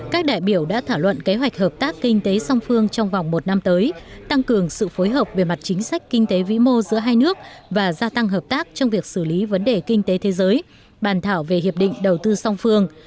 các đại biểu đã thảo luận kế hoạch hợp tác kinh tế song phương trong vòng một năm tới tăng cường sự phối hợp về mặt chính sách kinh tế vĩ mô giữa hai nước và gia tăng hợp tác trong việc xử lý vấn đề kinh tế thế giới bàn thảo về hiệp định đầu tư song phương